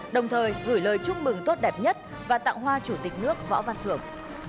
đồng thời gửi lời chúc mừng tốt đẹp nhất và tặng hoa chủ tịch nước võ văn thưởng